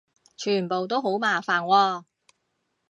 全部都好麻煩喎